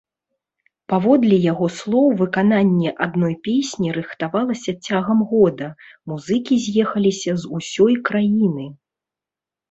Паводле яго слоў, выкананне адной песні рыхтавалася цягам года, музыкі з'ехаліся з усёй краіны.